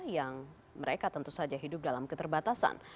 yang mereka tentu saja hidup dalam keterbatasan